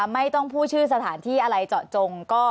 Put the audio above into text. ไม่ต้องพูดชื่อสถานที่อะไรเจาะจง